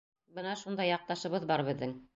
Бына шундай яҡташыбыҙ бар беҙҙең.